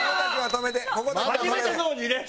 初めての２連勝じゃ？